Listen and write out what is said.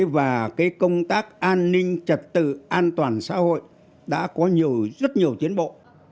và công tác an ninh trật tự an toàn xã hội đã có nhiều rất nhiều tiến bộ